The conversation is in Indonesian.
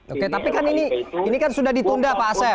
oke tapi kan ini kan sudah ditunda pak asep